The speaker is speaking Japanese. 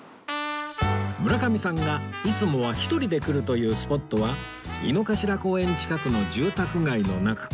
村上さんがいつもは１人で来るというスポットは井の頭公園近くの住宅街の中